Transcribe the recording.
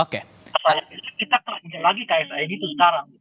kita terangkan lagi ksi gitu sekarang